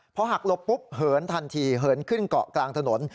พอหักหลบปุ๊บเหินทันทีเหินขึ้นเกาะกลางถนน